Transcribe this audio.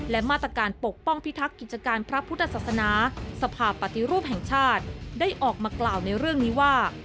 และมาตรการปกป้องพิทักษ์กิจการพระพุทธศาสนาสภาพปฏิรูปแห่งชาติได้ออกมากล่าวในเรื่องนี้ว่า